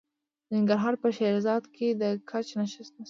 د ننګرهار په شیرزاد کې د ګچ نښې شته.